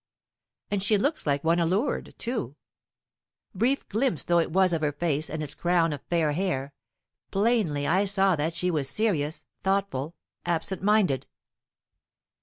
And she looks like one allured, too. Brief glimpse though it was of her face and its crown of fair hair, plainly I saw that she was serious, thoughtful, absentminded.